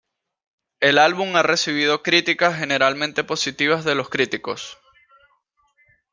El álbum ha recibido críticas generalmente positivas de los críticos.